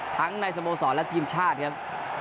ทั้งในสโมสรและทีมชาติครับ